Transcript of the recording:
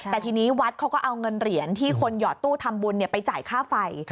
แต่ทีนี้วัดเขาก็เอาเงินเหรียญที่คนหยอดตู้ทำบุญไปจ่ายค่าไฟ